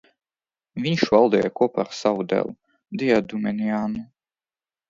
Viņš valdīja kopā ar savu dēlu Diadumeniānu.